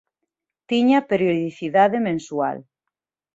Tiña periodicidade mensual.